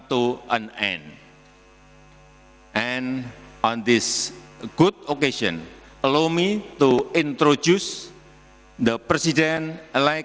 dan di acara yang baik ini izinkan saya memperkenalkan presiden indonesia